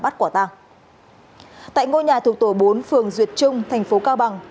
tại ngôi nhà thuộc tổ bốn phường duyệt trung thành phố cao bằng